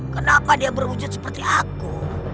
kenapa dia berwujud seperti aku